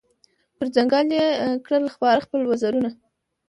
پر ځنګله یې کړل خپاره خپل وزرونه